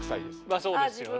まあそうですよね。